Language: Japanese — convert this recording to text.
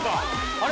あれ？